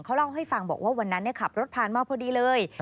เขาเล่าให้ฟังบอกว่าวันนั้นขับรถผ่านมาพอดีเลย